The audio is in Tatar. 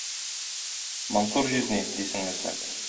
Мансур җизни, - ди сеңлесе.